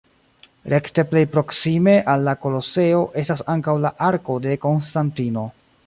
Rekte plej proksime al la Koloseo estas ankaŭ la Arko de Konstantino.